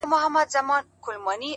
د تجربې ارزښت په عمل کې ښکاري،